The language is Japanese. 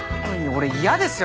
俺嫌ですよ。